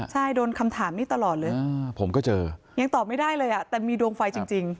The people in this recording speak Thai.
ใช่โดนคำถามนี้ตลอดเลยผมก็เจอยังตอบไม่ได้เลยอ่ะแต่มีดวงไฟจริง